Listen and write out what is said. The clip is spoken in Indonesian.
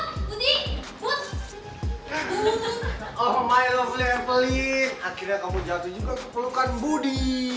bud bud bud bud bud oh my lovely evelyn akhirnya kamu jatuh juga ke pelukan budi